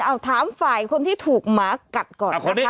เอาถามฝ่ายคนที่ถูกหมากัดก่อนนะคะ